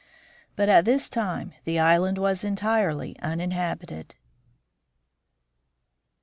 But at this time the island was entirely uninhabited.